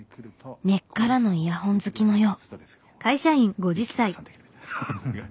根っからのイヤホン好きのよう。